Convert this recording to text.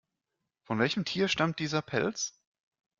Von welchem Tier stammt dieser Pelz?